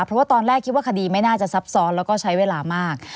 เพราะว่าตอนแรกคิดว่าคดีไม่น่าจะซับซ้อนแล้วก็ใช้เวลามาก